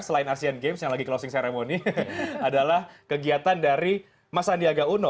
selain asean games yang lagi closing ceremony adalah kegiatan dari mas sandiaga uno